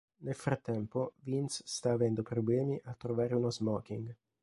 Nel frattempo, Vince sta avendo problemi a trovare uno smoking.